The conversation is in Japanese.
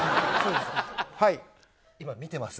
はい、今見てます。